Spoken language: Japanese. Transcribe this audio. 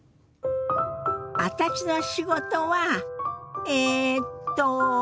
私の仕事はえっと